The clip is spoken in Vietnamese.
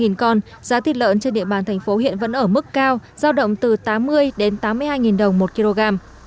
giá thịt lợn trên địa bàn thành phố hiện vẫn ở mức cao giao động từ tám mươi đến tám mươi hai đồng một kg